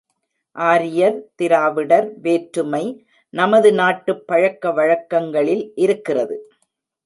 ஆரியர் திராவிடர் வேற்றுமை நமது நாட்டுப் பழக்க வழக்கங்களில் இருக்கிறது.